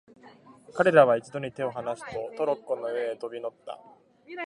彼等は一度に手をはなすと、トロッコの上へ飛び乗った。